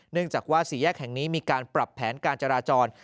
เนื่องจากว่าสี่แยกแห่งนี้มีการปรับแผนการจราจร